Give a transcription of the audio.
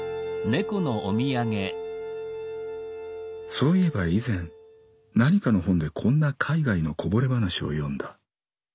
「そう言えば以前何かの本でこんな海外のこぼれ話を読んだ」。